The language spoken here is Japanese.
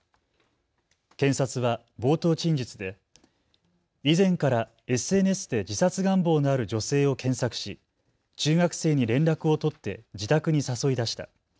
検察は冒頭陳述で以前からＳＮＳで自殺願望のある女性を検索し、中学生に連絡を取って自宅に誘い出した。